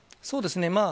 そうですね。